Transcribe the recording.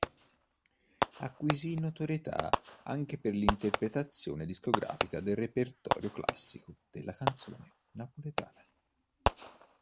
Acquisì notorietà anche per l'interpretazione discografica del repertorio classico della canzone napoletana.